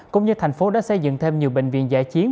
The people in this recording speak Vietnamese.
cũng như thành phố đã xây dựng thêm nhiều bệnh viện giải chiến